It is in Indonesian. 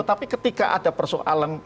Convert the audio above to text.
tetapi ketika ada persoalan